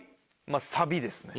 まぁサビですね。